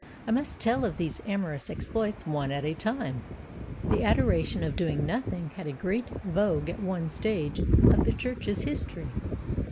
I must tell of these amorous exploits one at a time. The adoration of Doing Nothing had a great vogue at one stage of the Church's history.